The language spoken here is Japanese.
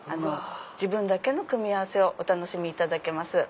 自分だけの組み合わせをお楽しみいただけます。